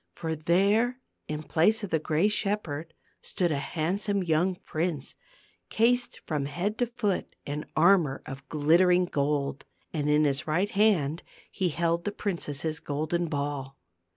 For there in place of the gray shepherd stood a handsome young prince, cased from head to foot in armor of glittering gold; and in his right hand he held the princess's golden ball.